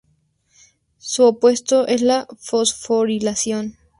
Su opuesto es la fosforilación.